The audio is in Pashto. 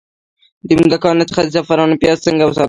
د موږکانو څخه د زعفرانو پیاز څنګه وساتم؟